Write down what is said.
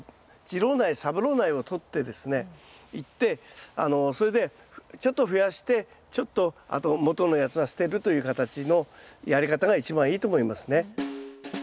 次郎苗三郎苗を取ってですねいってそれでちょっと増やしてちょっとあと元のやつは捨てるという形のやり方が一番いいと思いますね。